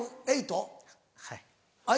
はい。